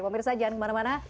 pemirsa jangan kemana mana